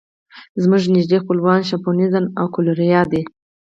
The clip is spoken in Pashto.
زموږ نږدې خپلوان شامپانزي او ګوریلا دي.